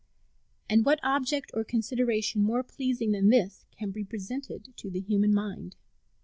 And what object or consideration more pleasing than this can be presented to the human mind?